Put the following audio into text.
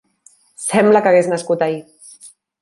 Sembla que hagués nascut ahir.